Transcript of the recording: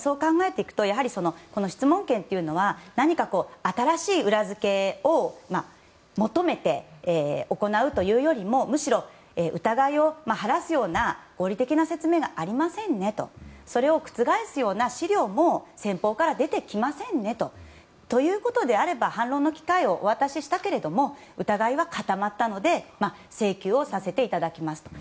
やはり質問権を新しい裏付けを求めて行うというよりむしろ疑いを晴らすような合理的な説明がありませんねとそれを覆すような資料も先方から出てきませんねということであれば反論の機会をお渡ししたけれども疑いは固まったので請求させていただきますと。